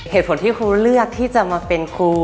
เหตุผลที่ครูเลือกที่จะมาเป็นครู